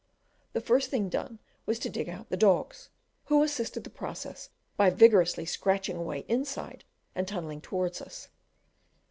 The first thing done was to dig out the dogs, who assisted the process by vigorously scratching away inside and tunnelling towards us.